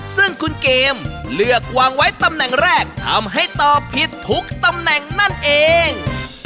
ซึ่งคุณเกมเลือกวางไว้ตำแหน่งแรกทำให้ตอบผิดทุกตำแหน่งนั่นเอง